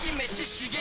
刺激！